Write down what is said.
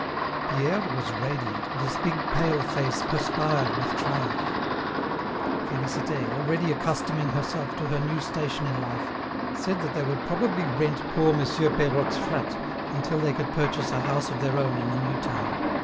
Pierre was radiant, and his big pale face perspired with triumph. Félicité, already accustoming herself to her new station in life, said that they would probably rent poor Monsieur Peirotte's flat until they could purchase a house of their own in the new town.